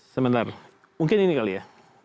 sebentar mungkin ini kali ya